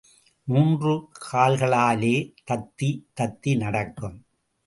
மூன்று கால்களாலே தத்தி தத்தி நடக்கும்.